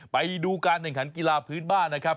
ไปดูการแข่งขันกีฬาพื้นบ้านนะครับ